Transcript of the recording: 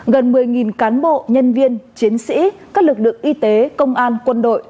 gần một mươi cán bộ nhân viên chiến sĩ các lực lượng y tế công an quân đội